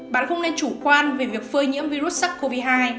bạn không nên chủ quan về việc phơi nhiễm virus sars cov hai